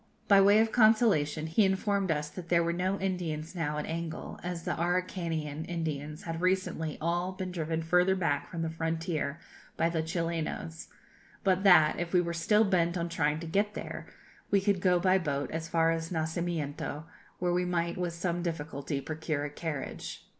By way of consolation, he informed us that there were no Indians now at Angol, as the Araucanian Indians had recently all been driven further back from the frontier by the Chilenos, but that, if we were still bent on trying to get there, we could go by boat as far as Nacimiento, where we might, with some difficulty, procure a carriage.